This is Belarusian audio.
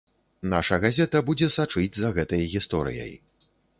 Наша газета будзе сачыць за гэтай гісторыяй.